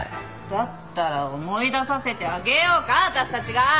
だったら思い出させてあげようか私たちが！